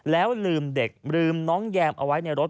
แล้วลืมเด็กลืมน้องแยมเอาไว้ในรถ